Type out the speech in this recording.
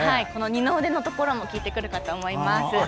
二の腕のところも効いてくるかと思います。